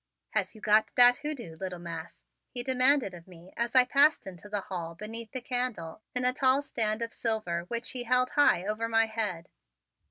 "Has you got dat hoodoo, little Mas'?" he demanded of me as I passed into the hall beneath the candle in a tall stand of silver which he held high over my head.